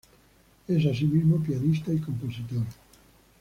Es asimismo pianista y compositor.